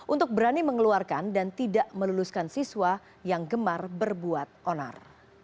untuk berani mengeluarkan dan tidak meluluskan siswa yang gemar berbuat onar